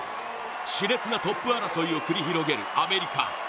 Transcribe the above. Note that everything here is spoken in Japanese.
しれつなトップ争いを繰り広げるアメリカ。